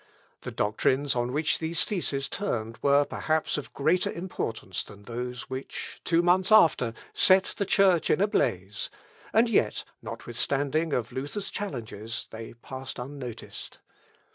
The doctrines on which these theses turned were perhaps of greater importance than those which, two months after, set the Church in a blaze; and yet, notwithstanding of Luther's challenges, they passed unnoticed.